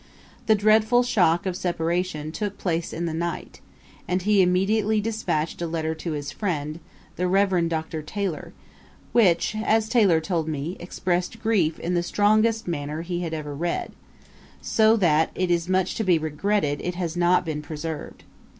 The dreadful shock of separation took place in the night; and he immediately dispatched a letter to his friend, the Reverend Dr. Taylor, which, as Taylor told me, expressed grief in the strongest manner he had ever read; so that it is much to be regretted it has not been preserved.